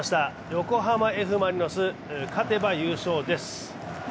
横浜Ｆ・マリノス、勝てば優勝です。